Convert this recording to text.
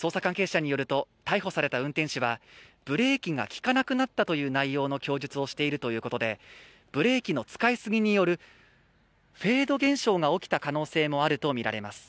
捜査関係者によると逮捕された運転手はブレーキが利かなくなったという内容の供述をしているということでブレーキの使いすぎによるフェード現象が起きた可能性もあるとみられます。